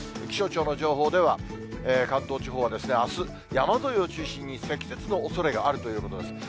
気象庁の情報では、関東地方はあす、山沿いを中心に、積雪のおそれがあるということです。